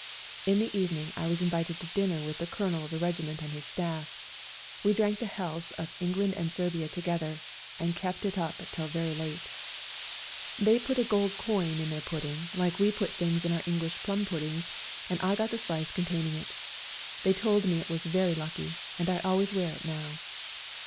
In the evening I was invited to dinner with the Colonel of the regiment and his staff ; we drank the healths of England and Serbia together, and kept it up till very late. They put a SERBIAN CHRISTMAS DAY 177 gold coin in their pudding like we put things in our English plum puddings, and I got the slice containing it. They told me it was very lucky, and I always wear it now.